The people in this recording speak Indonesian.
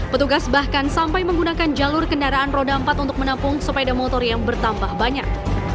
petugas bahkan sampai menggunakan jalur kendaraan roda empat untuk menampung sepeda motor yang bertambah banyak